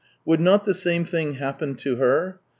Would not the same thing happen to her